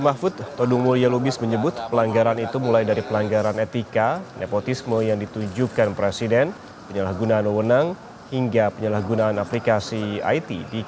lima kategori pelanggaran pemilu yang harus disimak oleh majelis hakim konstitusi